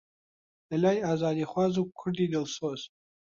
لەلای ئازادیخواز و کوردی دڵسۆز